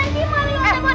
jangan di maul namun eang